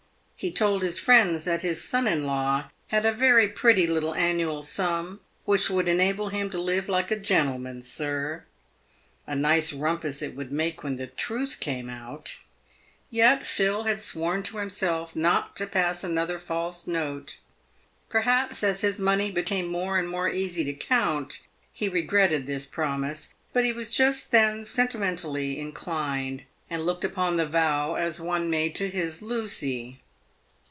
He told his friends that " his son in law had a very pretty little annual sum, which would enable him to live like a gentleman, sir." A nice rumpus it would make when the truth came out ! Yet Phil had sworn to himself not to pass another false note. Perhaps as his money became more and more easy to count, he re gretted this promise. But he was just then sentimentally inclined, and looked upon the vow as one made to his Lucy.